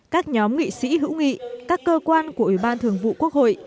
các nhóm nghị sĩ hữu nghị các cơ quan của ủy ban thường vụ quốc hội